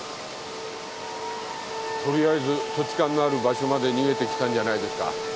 取りあえず土地勘のある場所まで逃げてきたんじゃないですか。